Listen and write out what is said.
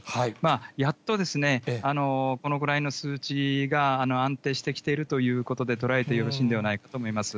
やっとこのぐらいの数値が安定してきているということで捉えてよろしいんではないかと思います。